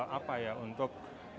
apa ya untuk